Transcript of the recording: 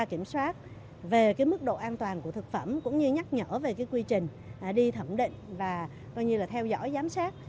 kiểm soát về mức độ an toàn của thực phẩm cũng như nhắc nhở về quy trình đi thẩm định và theo dõi giám sát